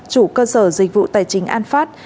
chủ cơ sở dịch vụ tài chính an phát